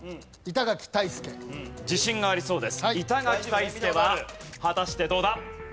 板垣退助は果たしてどうだ？